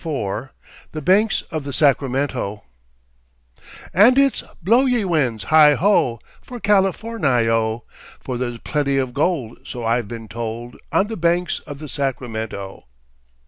THE BANKS OF THE SACRAMENTO "And it's blow, ye winds, heigh ho, For Cal i for ni o; For there's plenty of gold so I've been told, On the banks of the Sacramento!"